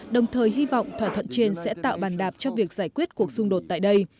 đồng thời hy vọng thỏa thuận trên sẽ tạo bàn đạp cho việc giải quyết cuộc xung đột tại đây